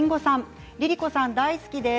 ＬｉＬｉＣｏさん、大好きです。